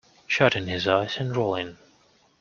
Shutting his eyes and rolling.